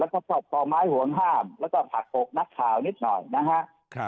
แล้วก็ชอบต่อไม้ห่วงห้ามแล้วก็ผลักอกนักข่าวนิดหน่อยนะฮะ